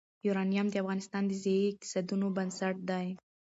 یورانیم د افغانستان د ځایي اقتصادونو بنسټ دی.